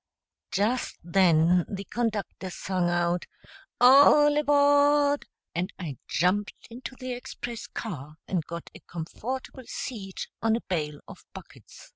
] Just then the conductor sung out "All aboard," and I jumped into the express car and got a comfortable seat on a bale of buckets.